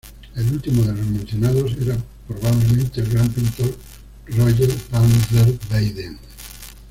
El último de los mencionados era probablemente el gran pintor Rogier van der Weyden.